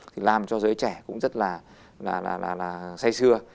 thì làm cho giới trẻ cũng rất là say xưa